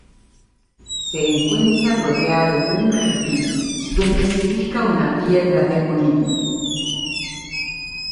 Se encuentra rodeado de un jardín donde se ubica una piedra de molino.